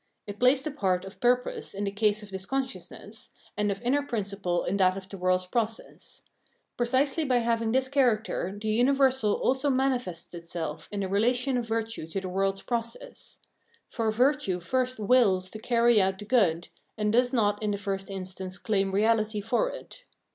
It plays the part of purpose in the case of this consciousness, and of inner principle in that of the world's process. Precisely by having this character the universal also manifests itself in the relation of virtue to the world's process ; for virtue first " wills " to carry out the good, and does not in the first instance claim reahty for it.